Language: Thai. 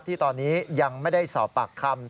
ที่ตอนนี้ยังไม่ได้สอบปากคำ